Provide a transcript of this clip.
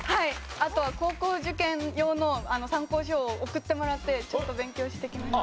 あと高校受験用の参考書を送ってもらってちょっと勉強してきました。